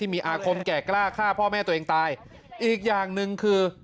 มีอาคมแก่กล้าฆ่าพ่อแม่ตัวเองตายอีกอย่างหนึ่งคือ